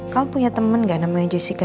kamu punya temen gak namanya jessica